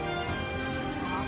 あっ？